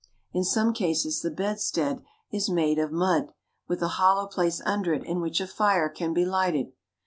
In some cases the bedstead is of mud, with a hollow place under it in which a fire can be lighted.